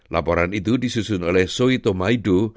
laporan itu disusun oleh soe tomaido